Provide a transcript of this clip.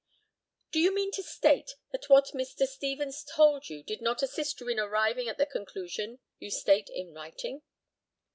Do you mean to state that what Mr. Stevens told you did not assist you in arriving at the conclusion you state in writing?